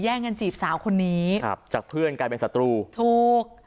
กันจีบสาวคนนี้ครับจากเพื่อนกลายเป็นศัตรูถูก